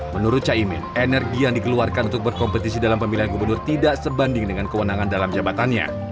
menurut caimin energi yang dikeluarkan untuk berkompetisi dalam pemilihan gubernur tidak sebanding dengan kewenangan dalam jabatannya